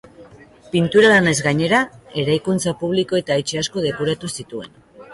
Pintura lanez gainera, eraikuntza publiko eta etxe asko dekoratu zituen.